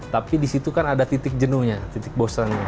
tapi di situ kan ada titik jenuhnya titik bosennya